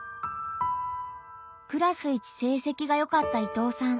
クラス一成績がよかった伊藤さん。